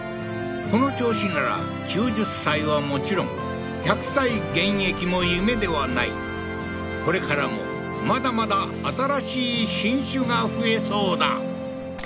この調子なら９０歳はもちろん１００歳現役も夢ではないこれからもまだまだ新しい品種が増えそうだ